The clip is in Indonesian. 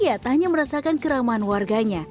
hiatanya merasakan keramaan warganya